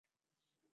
ভাবছি, কেন?